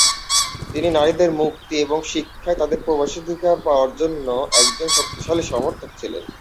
তিনি নারীদের মুক্তি এবং শিক্ষায় তাদের প্রবেশাধিকার পাওয়ার জন্য একজন শক্তিশালী সমর্থক ছিলেন।